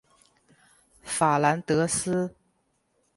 法兰德斯。